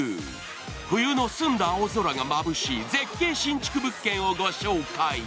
冬の澄んだ青空がまぶしい絶景新築物件をご紹介。